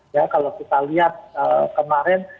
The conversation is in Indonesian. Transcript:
ya kalau kita lihat kemarin